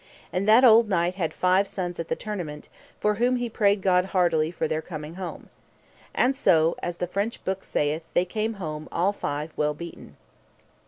And that old knight had five sons at the tournament, for whom he prayed God heartily for their coming home. And so, as the French book saith, they came home all five well beaten.